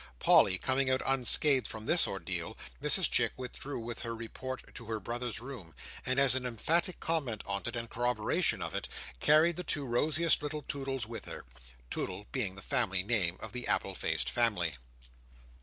Polly coming out unscathed from this ordeal, Mrs Chick withdrew with her report to her brother's room, and as an emphatic comment on it, and corroboration of it, carried the two rosiest little Toodles with her. Toodle being the family name of the apple faced family.